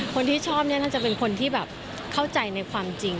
คนที่ชอบเนี่ยน่าจะเป็นคนที่แบบเข้าใจในความจริง